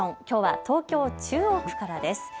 きょうは東京中央区からです。